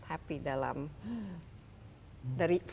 happy dalam dari satu ke sepuluh